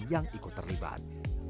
yang ikut terlibat